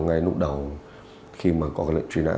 ngay lúc đầu khi mà có cái lệnh truy nã